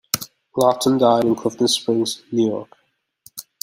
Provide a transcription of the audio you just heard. Lawton died in Clifton Springs, New York.